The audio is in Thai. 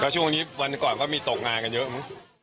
ใช่ช่วงนี้วันก่อนก็มีตกงานกันเยอะ